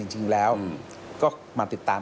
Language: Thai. จริงแล้วก็มาติดตาม